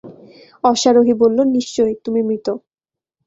অশ্বারোহী বলল, নিশ্চয়, তুমি মৃত।